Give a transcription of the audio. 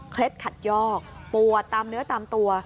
เคล็ดขัดยอกปัวตามเนื้อตามตัว